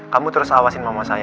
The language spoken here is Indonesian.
kamu terus awasin mama saya